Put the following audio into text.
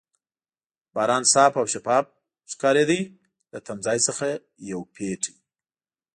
باران صاف او شفاف ښکارېده، له تمځای څخه یو پېټی.